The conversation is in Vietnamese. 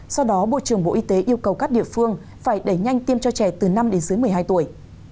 do đó bộ trưởng bộ y tế yêu cầu các địa phương phải đẩy nhanh tiêm cho trẻ từ năm đến dưới một mươi hai tuổi